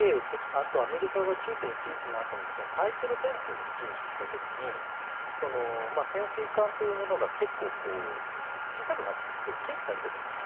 あとアメリカが９・１１のあとに対テロ戦争を重視した時に潜水艦というものが結構小さくなっていくというか軽視されていくんです。